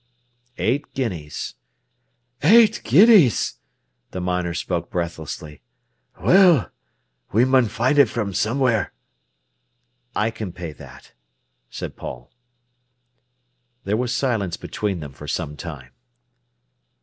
"Eight guineas." "Eight guineas!" the miner spoke breathlessly. "Well, we mun find it from somewhere." "I can pay that," said Paul. There was silence between them for some time.